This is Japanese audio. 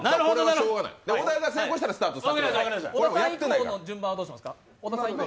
小田が成功したらスタートで。